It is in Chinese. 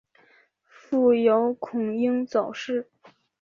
父姚孔瑛早逝。